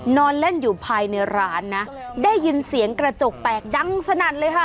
นอนเล่นอยู่ภายในร้านนะได้ยินเสียงกระจกแตกดังสนั่นเลยค่ะ